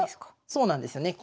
そうなんですよね。